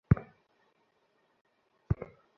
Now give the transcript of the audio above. ওহ, আমাকে পরবর্তী সিনের জন্য প্রস্তুত হতে হবে।